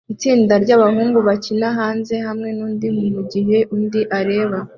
Itsinda ryabahungu bakina hanze hamwe nundi mugihe undi areba